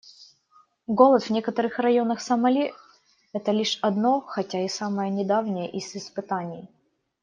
Голод в некоторых районах Сомали — это лишь одно, хотя и самое недавнее из испытаний.